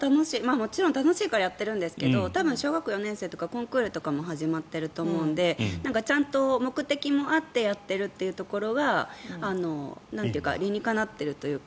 もちろん楽しいからやってるんですけど多分、小学校４年生とかはコンクールとかも始まっているのでちゃんと目的もあってやってるというところは理にかなっているというか。